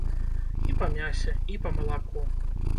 І па мясе, і па малаку.